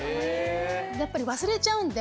やっぱり忘れちゃうんで。